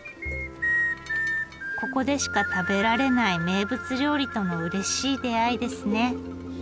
ここでしか食べられない名物料理とのうれしい出会いですね。